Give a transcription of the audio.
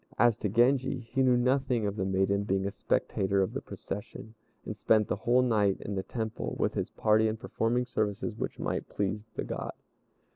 As to Genji, he knew nothing of the maiden being a spectator of the procession, and spent the whole night in the Temple with his party in performing services which might please the God.